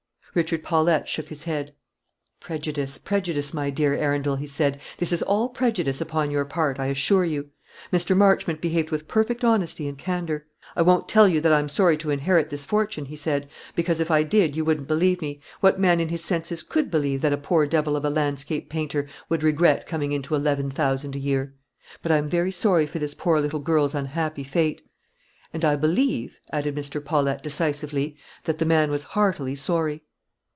Richard Paulette shook his head. "Prejudice, prejudice, my dear Arundel," he said; "this is all prejudice upon your part, I assure you. Mr. Marchmont behaved with perfect honesty and candour. 'I won't tell you that I'm sorry to inherit this fortune,' he said, 'because if I did you wouldn't believe me what man in his senses could believe that a poor devil of a landscape painter would regret coming into eleven thousand a year? but I am very sorry for this poor little girl's unhappy fate.' And I believe," added Mr. Paulette, decisively, "that the man was heartily sorry."